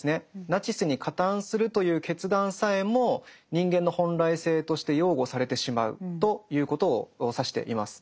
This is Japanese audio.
ナチスに加担するという決断さえも人間の本来性として擁護されてしまうということを指しています。